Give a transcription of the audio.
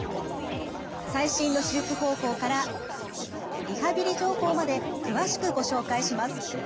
最新の手術方法からリハビリ情報まで詳しくご紹介します。